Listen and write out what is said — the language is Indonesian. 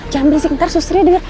jangan berisik ntar sustrinya denger